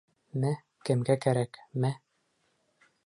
Мә, кемгә кәрәк, мә.